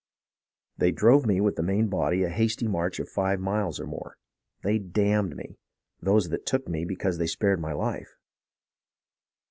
They drove me with the main body a hasty march of five miles or more. They damned me, those that took me, because they spared my life.